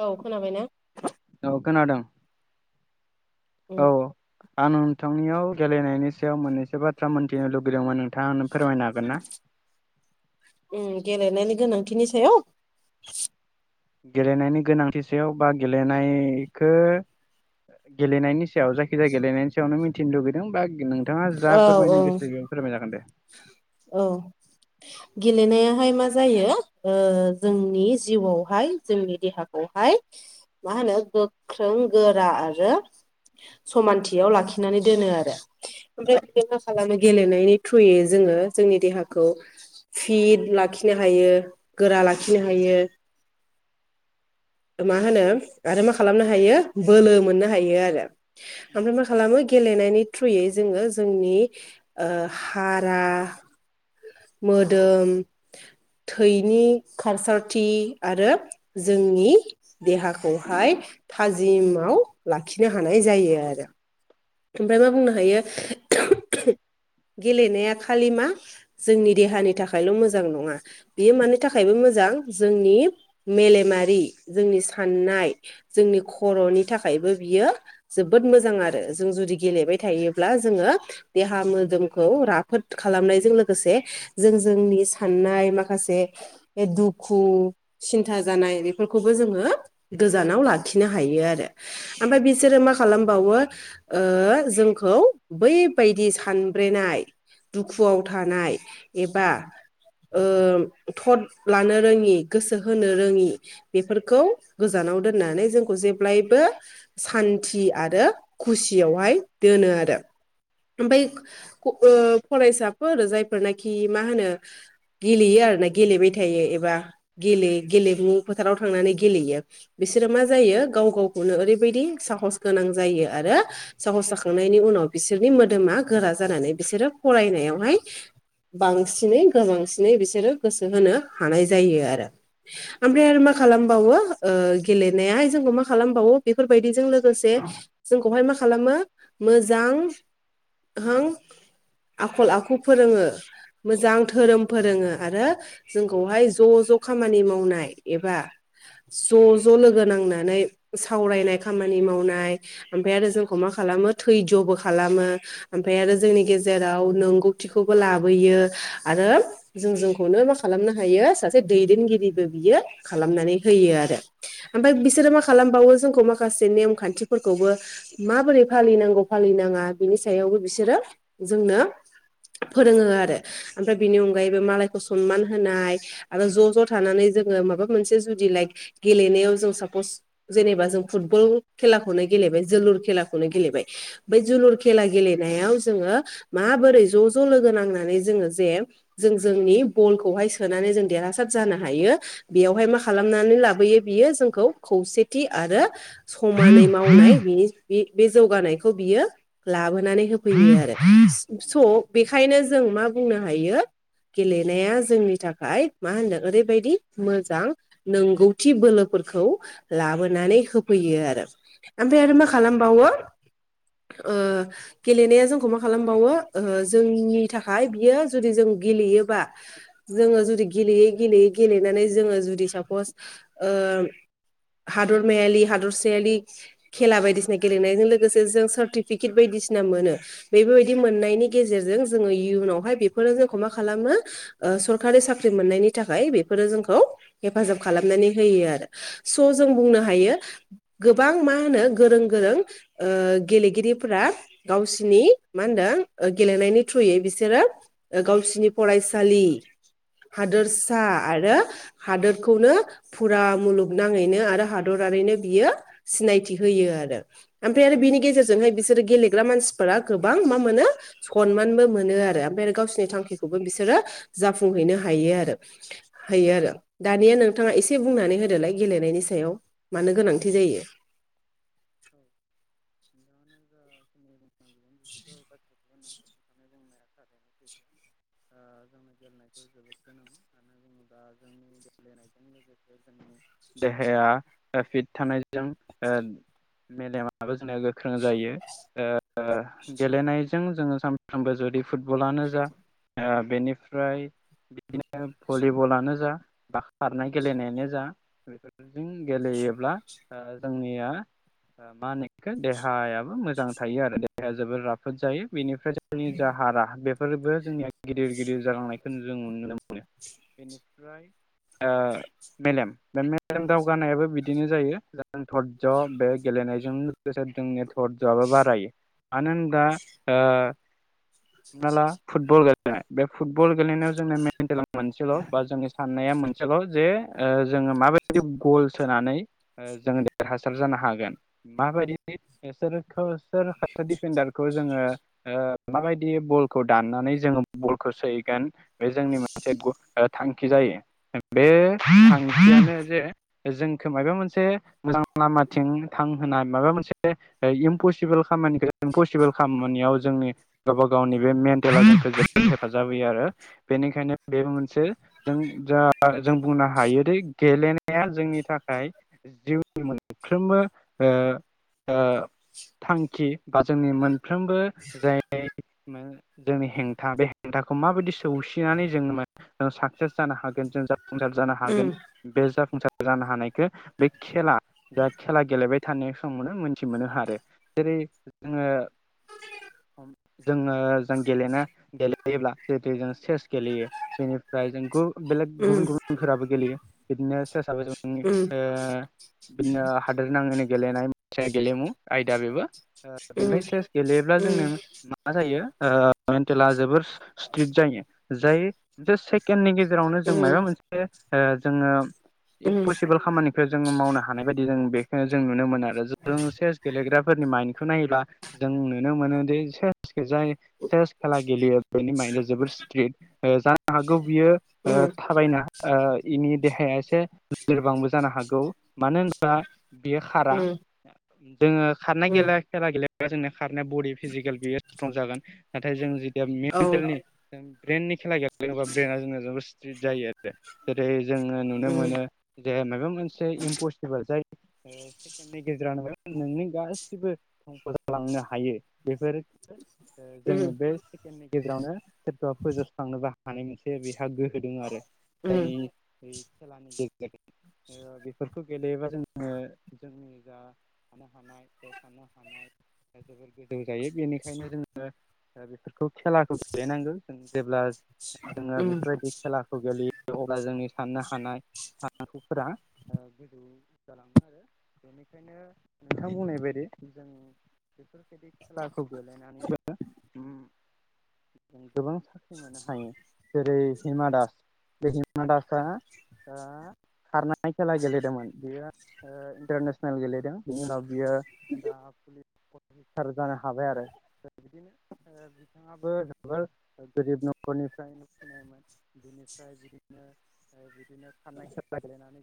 औ खोनाबायना? औ खोनादों औ आं नोंथांनियाव गेलेनायनि सायाव मोननैसो बाथ्रा मोन्थिनो लुगैदोंमोन नोंथाङा फोरमायनो हागोन ना? [inaudible] उ गेलेनायनि गोनांथिनि सायाव? गेलेनायनि गोनांथि सायाव बा गेलेनायखौ गेलेनायनि सायाव जायखिजाया गेलेनायनि सायावनो मिथिनो लुगैदों बा नों नोंथाङा जा औ औ फोरमायनो गोसो बेनो फोरमायजागोन दे औ गेलेनायाहाय मा जायो जोंनि जिउआवहाय जोंनि देहाखौहाय मा होनो गोख्रों गोरा आरो समानथियाव लाखिनानै दोनो आरो ओमफ्राय बिनो मा खालामो गेलेनायनि थ्रुयै जोङो जोंनि देहाखौ फिट लाखिनो हायो गोरा लाखिनो हायो मा होनो आरो मा खालामनो हायो बोलो मोननो हायो आरो ओमफ्राय मा खालामो गेलेनायनि थ्रुयै जोङो जोंनि ओ हारा मोदोम थैनि खारसारथि आरो जोंनि देहाखौहाय थाजिमाव लाखिनो हानाय जायो आरो ओमफ्राय मा बुंनो हायो गेलेनाया खालि मा जोंनि देहानि थाखायल' मोजां नङा बेयो मानि थाखायबो मोजां मोजां जोंनि मेलेमारि जोंनि साननाय जोंनि खर'नि थाखाय बेबो बियो जोबोद मोजां आरो जों जुदि गेलेबाय थायोब्ला जोङो देहा मोदोमखौ राफोद खालामनायजों लोगोसे जों जोंनि साननाय माखासे ए दुखु सिन्था जानाय बेफोरखौ खौबो जोङो गोजानाव लाखिनो हायो आरो। आमफाय बिसोरो मा खालामबावो ओ जोंखौ बै बायदि सानब्रेनाय दुखुआव थानाय एबा ओ थ'थ लानो रोङि गोसो होनो रोङि बेफोरखौ गोजान नाव दोननै जोंखौ जेब्लायबो सान्थि आरो खुसियावहाय दोनो आरो। ओमफाय फु ओ फरायसाफोर जायफोरनाखि मा होनो गेलेयो आरोना गेलेबाय थायो एबा गे गेले गेलेमु फोथाराव थांनानै गेलेयो। बिसोरो मा जायो गाव गावखौनो ओरैबायदि साह स गोनां जायो आरो साहस जाखांनायनि उनाव बिसोरनि मोदोमा गोरा जानानै बिसोरो फरायनायावहाय बांसिनै गोबांसिनै बिसोरो गोसो होनो हानाय जायो आरो। आमफाय आरो मा खालामबावो ओ गेलेनाया जोंखौ मा खालामबावो बेफोरबायदिजों लोगोसे जों खौहाय मा खालामो मोजां हां आखल आखु फोरोङो। मोजां धोरोम फोरोङो। आरो जोंखौहाय ज' ज' खामानि मावनाय एबा ज' ज' लोगो नांनानै सावरायनाय खामानि मावनाय आमफाय आरो जोंखौ मा खालामो थैज'बो खालामो ओमफाय आरो जोंनि गेजेराव आव नंगौथिखौबो लाबोयो। आरो जों जोंखौनो मा खालामनो हायो सासे दैदेन इं गिरिबो बियो खालामनानै होयो आरो। ओमफाय बिसोरो मा खालामबावो जोंखौ माखासे नेम खान्थिफोरखौबो माबोरै फालिनांगौ फालिनाङा बिनि सायावबो बिसोरो जोंनो फोरोङो आरो ओमफाय बिनि अनगायैबो मालायखौ सनमान होनाय आरो ज' ज' थानानै जो जोङो माबा मोनसे जुदि लायक गेलेनायाव जों सापस जेनेबा जों फुटबल खेलाखौनो गेलेबाय। जोलुर खेलाखौनो गेलेबाय बेै जोलुर खेला गेले नायाव जोङो माबोरै ज' ज' लोगो नांनानै जोङो जे जों जोंनि बलखौ हाय सोनानै जों देरहासाद जानो हायो। बेयावहाय मा खालामनानै लाबोयो बियो जोंखौ खौसेथि आरो समानै जागोन मावनाय बिनि बि बे जौगानायखौ बियो लाबो नानै होफैयो आरो। सो स' बेखायनो जों मा बुंनो हायो। गेलेनाया जोंनि थाखाय मा होनदों ओरैबायदि मोजां नोंगौथि बोलोख फोरखौ लाबोनानै होफैयो आरो। ओमफाय आरो मा खालामबावो ओ गेलेनाया जोंखौ मा खालामबावो ओ जोंनि थाखाय बियो जुदि जों गेलेयोबा जोङो जुदि गेलेयै गेलेयै गेलेयै गेलेनानै जोङो जुदि साफस ओ ओ हादर मायालि हादर सेयालि खेला बायदिसिना गेलेनायजों लोगोसे जों सार्टिफिकेट बायदिसिना मोनो बेफोरबायदि मोननायनि गेजेरजों। नों जों इयुनावहाय बेफोरो जोंखौ मा खालामो ओ सरकारि साख्रि मोननायनि थाखाय बेफोर जोंख खौ हेफाजाब खालामनानै होयो आरो। स' जों बुंनो हायो गोबां मा होनो। गोरों गोरों ओ गेलेगिरिफोरा गावसिनि मा होनदों ओ गेलेनायनि थ्रुयै बिसोरो ओ गावसिनि फरायसालि। हादोरसा आरो हादोरखौनो फुरा मुलुगनाङैनो आरो हादरा थारैनो बियो सिनायथि होयो आरो‌।आमफाय आरो बिनि गेजेरजोंहाय बिसोर गेले ग्रा मानसिफोरा गोबां मा मोनो सनमानबो मोनो आरो। ओमफाय गावसिरनि थांखिखौबो बिसोरो जाफुंहैनो हायो आरो। हैयो आरो दानिया नोंथाङा एसे बुंनानै होदोलाय गेलेनायनि स सायाव मानो गोनांथि जायो। [unintelligible] नोंथांनि बुंनाया थारैनो सैथो। ओ जोंनो गेलेनायखौ जोबोद गोनां मानो बुङोब्ला जोंनि गेलेनायजों लोगोसे जों। देहाया ओ फिट थानायजों ओ मेलेमाबो जोंना गोख्रों जायो। ओ ओ गेलेनायजों जोङो सानफ्रोमबो जु दि फुटबलानो जा आ बेनिफ्राय‌ बिदिनो भलिबलानो जा बा खारनाय गेलेनायानो जा बेफोरजों गे लेयोब्ला जोंनिया मा होनो बेखौ देहायाबो मोजां थायो आरो। देहाया जोबोर राफोद जायो बेनि नि जा हारा बेफोरबो जोंनिया गिदिर गिदिर जालांनायखौ जों नुनो मोनो। बेनिफ्राय ओ मेलेम बे मेलेम दावगानायाबो बिदिनो जायो धर्ज बे गेलेनायजों लोगोसे जोंनि धर्जआबो बारायो। मानो होनबा ओ हमना ला फुटबल गेलेनाय बे फुटबल गेलेनायाव जोंनि मेन्टेला मोनसेल बा जोंनि साननाया मोनसेल जे ओ जोङो माबायदि गल सोनानै जों देरहासार जानो हागोन। माबायदि सोरखौ सोर दिडफेडारखौ जोङो ओ माबायदि बलखौ दाननानै जोङो बलखौ सोहैगोन बे जोंनि मोनसे थांखि जायो। बे थांखियानो जे जोंखौ माबा मोनसे मोजां लामाथिं थांहोनाय माबा मोनसे इमपसिबोल खामानिखौ इमपसिबोल खामानियाव जोंनि गावबा गावनि बे मेन्टेलेलखौ जोबोद हेफाजाब होयो आरो। बेनिखायनो बेबो मोनसे जों जा जों बुंनो हायोदि गेलेनाय या जोंनि थाखाय जिउनि मोनफ्रोमबो ओ ओ थांखि बा जोंनि मोनफ्रोमबो जाय जोंनि हेंथा बे हेंथा खौ माबायदि सौसिनानै जों साक्सेस जानो हागोन जों जाफुंसार जानो हागोन उम बे जाफुं सार जानो हानायखौ बे खेला जा खेला गेलेबाय थानाय समावनो मोनथि मोनो आरो। जेरै जोङो । जोङो जों गेलेनो गेलेयोब्ला जितु जों चेस गेलेयो बेनि ओमफ्राय जों बेलेग गुबुन उम गुबुनफोराबो गेलेयो बिदिनो सेसाबो जों उम। बिदिनो हादोर नाङैनो गेलेनाय से गेलेमु आयदा बेबो ओ बे उम सेस गेले जों उम मा जायो ओ मेन्टेला जोबोर स्ट्रिक जायो जायो। सेकेण्डनि गेजेरावनो जों उम मायबा मोनसे ओ जोङो उम उम इमपसिबोल खामानिखौ जों मावनो हानाय बायदि जों बेखौनो जों नुनो मोनो आरो। जों चेस गेलेग्राफोरनि माइन्दखौ नायोबा जों नुनो मोनो दि सेसखौ जाय सेस खेला गेलेयो बेनि माइन जोबोर स्ट्रिक ओ जानो हागौ बियो ओ थाबायना इनि देहाया एसे लोरबांबो जानो हागौ मानो होनोबा बेयो खारा। उम जोङो खारनाय उम गेले खेला गेले जोंनि खारनाया बडि फिजिकेल बियो स्ट्रं जागोन नाथाय जों जि औ मेन्टेल नि ब्रेननि खेला गेलेयो ब्रेना जों ना स्ट्रिक जायो आरो। जेरै जोङो नुनो उम मोनो दे माबा मोनसे इमपसिबोल जाय ओ सेकेन्दनि गेजेरनो नोंनि गासिबो। ख' जालांनो हायो। बेफोर ओ जोङो उम बे सेकेणडनि गेजेरावनो सोरबा फोजोबस्रांनोबो हानाय मोनसे बेहा गोहो दङ आरो। उम जायनि बे खेलानि गेजेरजों । बेफोरखौ गेलेयोबा जोङो जोंनि जा थानो हानाय बे थानो हानाय जोबोर गोजौ जायो बेनिखायनो जोङो ओ बेफोरखौ खेलाखौ गेलेनांगौ जों जेब्ला जोङो उम बेफोरबायदि खेलाखौ गेलेयो अब्ला जोंनि साननो हानाय सानांगौफोरा ओ गोजौ जालाङो आरो बेनिखायनो नोंथां बुंनाय बायदि। जों बेफोरबायदि खेलाखौ गेलेनानैबो। गोबां साख्रि मोननो हायो जेरै हिमा दास। बे हिमा दास आ। [unintelligible] खारनाय खेला गेलेदोंमोन बियो ओ इन्टारनेसनेल गेलेदों बिनि उनाव बियो दा। [unintelligible] अफिसार जानो हाबाय आरो बिदिनो बिथाङाबो जोबोर गोरिब न निफ्राय नुफैनायमोन बिनिफ्राय बिदिनो [inaudible] बिदिनो फाननाय खेला गेलेनानै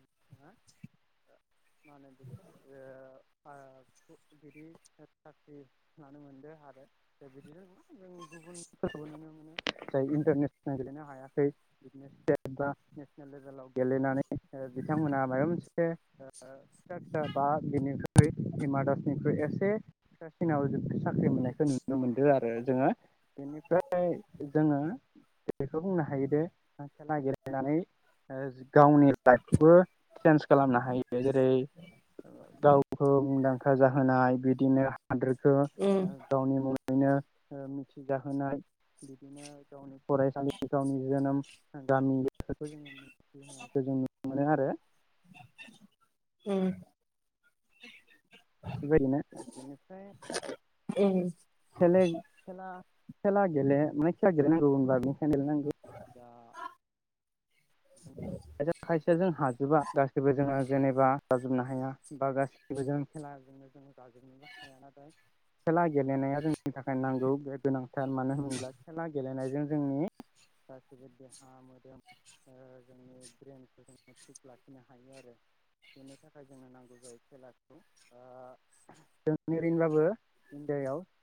[inaudible] जों बिदिनो जों गुबुनफोरखौबो नुनो मोनो जाय इन्टारनेसनेल गेलेनो हायाखै [inaudible] बा नेसनेल लेभेलाव गेलेनानै बिथांमोना मायबा मोनसे ओ फिसा फिसा बा बिनिख्रुइ हिमा दासनिख्रुइ एसे फिसा सिनाव जों साख्रि मोननाय नुनो मोनदों आरो जोङो बेनिफ्राय जोङो बे बेखौ बुंनो हायोदे आ खेला गेलेनानै ओ गावनि लाइफखौबो चेन्ज खालामनो हायो जेरै ओ गावखौ मुंदांखा जाहोनाय बिदिनो हादोरखौ उम ओ गावनि मुं नो ओ मिथिजाहोनाय बिदिनो गावनि फरायसालि गावनि जोनोम गामि [unintelligible] जों नुनो मोनो आरो। उम। बेबादिनो बेनिफ्राय उम। खेले खेला खेला गेले माने खेला नांगौ होनबा बिनिखायनो गेले नांगौ खाय खायसेया जों हाजोबा गासैबो जोङो जेनेबा जाजोबनो हाया बा गासिबो जों खेला दाजोंनो जोङो गाजोबनोबो हायाना दाय। खेला गेलेनाया जोंनि थाखाय नांगौ बे गोनांथार मानो होनोब्ला खेला गेलेनायजों जोंनि गासैबो देहा मोदोम ओ जोंनि ब्रेनखौ जोङो थिक लाखिनो हायो आरो। बेनि थाखाय जोंनो नांगौ जायो खेलाखौ ओ जों ओरैनोबाबो [inaudible]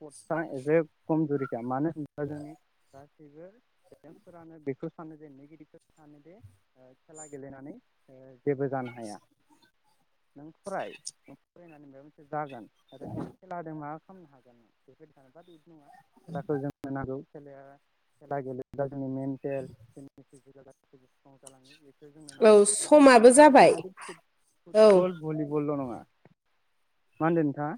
पच्टआ एसे खमजुरिखा मानो होनोबा जोंनि गासैबो पेरेन्स फोरानो बेखौ सानो जे [unintelligible] सानो जे खेला गेलेनानै ओ जेबो जानो हाया नों फराय नों फरायनानै माबा मोनसे जागोन नाजानानै नों खेलाजों मा खालामनो हागोन नों बेफोरदि सानोबा बिदि नङा खेलाखौ जोंनो नांगौ। खेलाया खेला गेलेबा जोङो मेन्टेल [inaudible] जालाङो बेखौ जोंनो औ नांथारगौ समाबो बेल' जाबाय नङा दि औ फुटबल भलिबलल' नङा मा होनदों नोंथाङा?